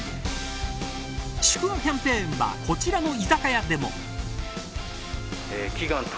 祝賀キャンペーンはこちらの居酒屋でも。